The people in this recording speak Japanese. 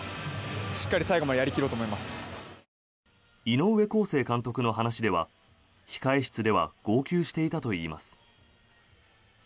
井上康生監督の話では控室では号泣していたといいます。